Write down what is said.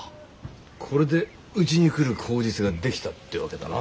これでうちに来る口実が出来たってわけだな。